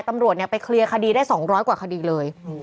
ตำรวจไปเคลียร์คดีได้๒๐๐กว่าคดีเลย